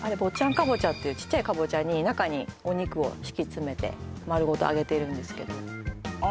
カボチャっていうちっちゃいカボチャに中にお肉を敷き詰めて丸ごと揚げているんですけどあ